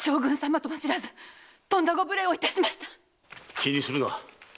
気にするな。